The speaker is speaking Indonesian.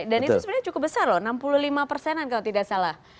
dan itu sebenarnya cukup besar loh enam puluh lima persenan kalau tidak salah